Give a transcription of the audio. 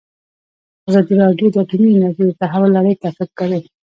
ازادي راډیو د اټومي انرژي د تحول لړۍ تعقیب کړې.